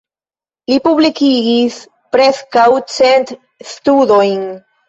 Li publikigis preskaŭ cent studojn.